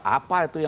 apa itu yang